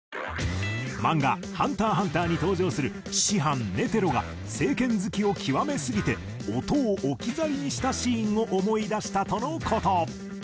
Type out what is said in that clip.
漫画『ＨＵＮＴＥＲ×ＨＵＮＴＥＲ』に登場する師範ネテロが正拳突きを極めすぎて音を置き去りにしたシーンを思い出したとの事。